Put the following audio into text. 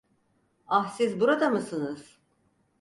Ah, siz burada mısınız?